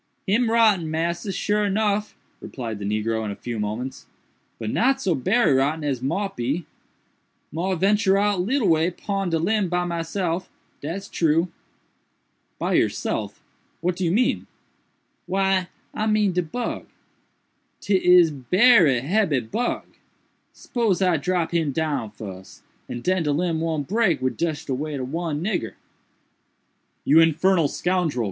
"Him rotten, massa, sure nuff," replied the negro in a few moments, "but not so berry rotten as mought be. Mought ventur out leetle way pon de limb by myself, dat's true." "By yourself!—what do you mean?" "Why I mean de bug. 'Tis berry hebby bug. Spose I drop him down fuss, and den de limb won't break wid just de weight ob one nigger." "You infernal scoundrel!"